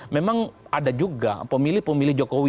memang ada juga pemilih pemilih jokowi